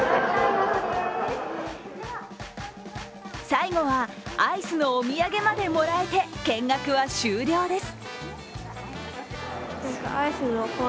最後はアイスのお土産までもらえて見学は終了です。